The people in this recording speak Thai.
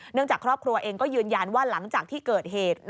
จากครอบครัวเองก็ยืนยันว่าหลังจากที่เกิดเหตุ